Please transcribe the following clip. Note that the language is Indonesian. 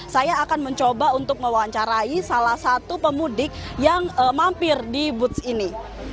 saya akan mencoba untuk mewawancarai salah satu pemudik yang mampir di boots ini